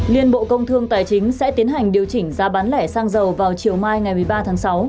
liên bộ công thương tài chính sẽ tiến hành điều chỉnh giá bán lẻ xăng dầu vào chiều mai ngày một mươi ba tháng sáu